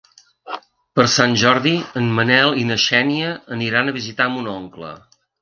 Per Sant Jordi en Manel i na Xènia aniran a visitar mon oncle.